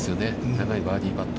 長いバーディーパット。